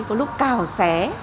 có lúc cao xé